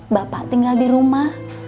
bapak tinggal di rumah